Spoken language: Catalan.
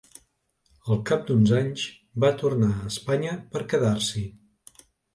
El cap d’uns anys, va tornar a Espanya per quedar-s’hi.